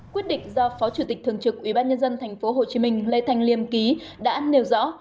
quyết định do phó chủ tịch thường trực ủy ban nhân dân tp hcm lê thành liêm ký đã nêu rõ